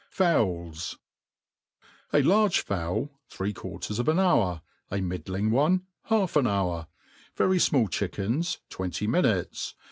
•,■^• A large fowl, three qufirters of; an hour; a middling orfeV half an hour; vet'y fmalT chickens, tWenty minutes.